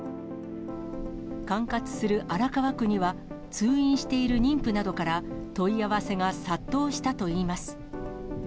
管轄する荒川区には、通院している妊婦などから、問い合わせが殺到したといいます。